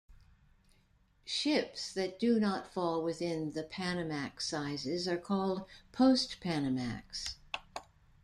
Ships that do not fall within the Panamax-sizes are called "post-Panamax".